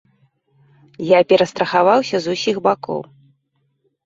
Я перастрахаваўся з усіх бакоў.